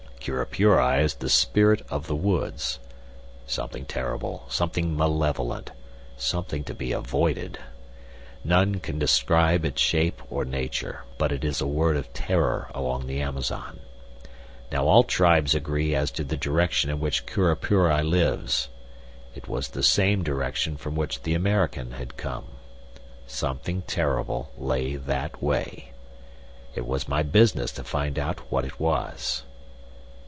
"Curupuri is the spirit of the woods, something terrible, something malevolent, something to be avoided. None can describe its shape or nature, but it is a word of terror along the Amazon. Now all tribes agree as to the direction in which Curupuri lives. It was the same direction from which the American had come. Something terrible lay that way. It was my business to find out what it was."